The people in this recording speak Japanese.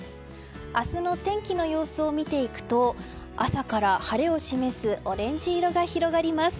明日の天気の様子を見ていくと朝から晴れを示すオレンジ色が広がります。